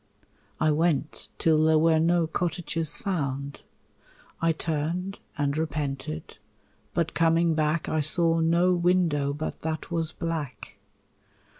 I went till there were no cottages found. I turned and repented, but coming back I saw no window but that was black.